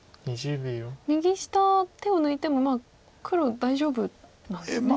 右下手を抜いても黒大丈夫なんですね。